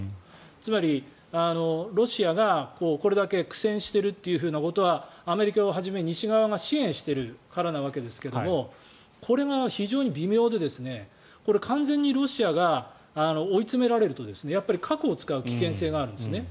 つまり、ロシアがこれだけ苦戦してるってことはアメリカをはじめ西側が支援しているからなわけですけれどもこれが非常に微妙で完全にロシアが追いつめられると核を使う危険性があるんですね。